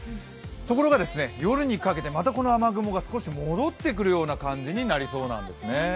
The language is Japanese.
ところが、夜にかけてまたこの雨雲が戻ってくるような感じになりそうなんですね。